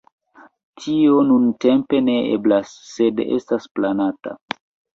Tio nuntempe ne eblas, sed estas planata.